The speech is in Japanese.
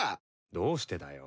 どうしてだよ。